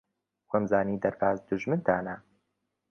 وامزانی دەرباز دوژمنتانە.